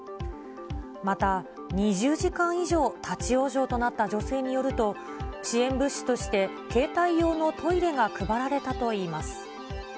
また２０時間以上、立往生となった女性によると、支援物資として携帯用のトイレが配られたといいます。